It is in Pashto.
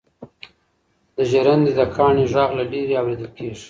د ژرندې د کاڼي غږ له لیرې اورېدل کېږي.